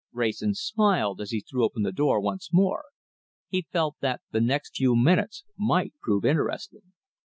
Wrayson smiled as he threw open the door once more. He felt that the next few minutes might prove interesting.